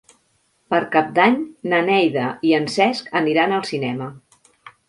Per Cap d'Any na Neida i en Cesc aniran al cinema.